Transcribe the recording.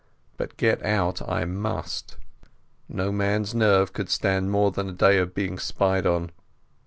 But get out I must. No man's nerve could stand more than a day of being spied on.